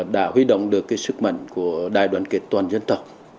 đã huy động được sức mạnh của đài đoàn kết toàn dân tộc